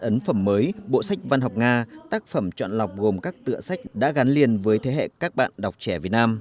hai ấn phẩm mới bộ sách văn học nga tác phẩm chọn lọc gồm các tựa sách đã gắn liền với thế hệ các bạn đọc trẻ việt nam